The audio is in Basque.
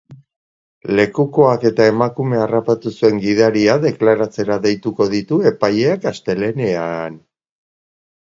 Lekukoak eta emakumea harrapatu zuen gidaria deklaratzera deituko ditu epaileak astelehenean.